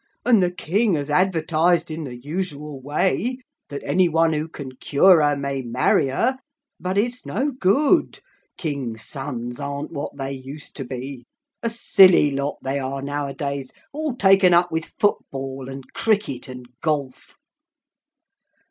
And the King has advertised in the usual way, that any one who can cure her may marry her. But it's no good. King's sons aren't what they used to be. A silly lot they are nowadays, all taken up with football and cricket and golf.'